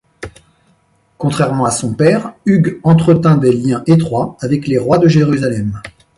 Contrairement à son père, Hugues entretint des liens étroits avec les rois de Jérusalem.